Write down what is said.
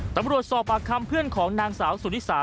ตำรวจสอบปากคำเพื่อนของนางสาวสุนิสา